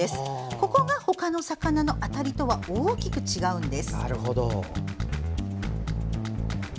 ここが、ほかの魚の当たりとは大きく違うんです。